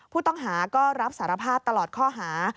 ผู้ต้องหาก็รับสารภาพตลอดข้อหา